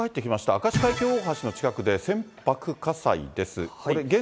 明石海峡大橋の近くで船舶火災です。